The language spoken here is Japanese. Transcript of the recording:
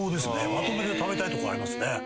まとめて食べたいとこありますね。